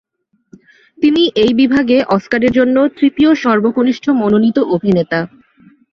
তিনি এই বিভাগে অস্কারের জন্য তৃতীয় সর্বকনিষ্ঠ মনোনীত অভিনেতা।